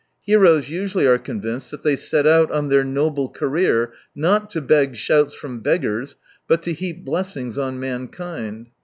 Heroes usually are convinced that they set out on their noble career, not to beg shouts from beggars, but to heap blessings on mankind.